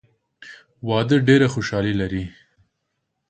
واده ډېره خوشحالي لري.